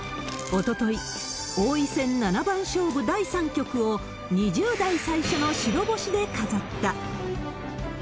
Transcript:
おととい、王位戦７番勝負第３局を２０代最初の白星で飾った。